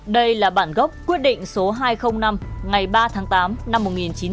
đây là bản gốc quyết định số hai trăm linh năm ngày ba tháng tám năm một nghìn chín trăm bảy mươi